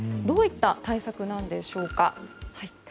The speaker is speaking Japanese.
どういった対策なのでしょうか。